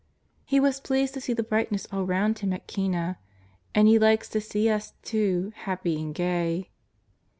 He was pleased to see the brightness all round Him at Cana, and He likes to see us, too, happy and gay.